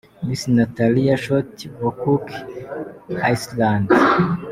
Miss Natalia Short wa Cook Islands.